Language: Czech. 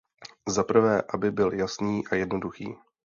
Za prvé, aby byl jasný a jednoduchý.